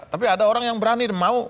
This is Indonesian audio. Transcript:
tapi ada orang yang berani mau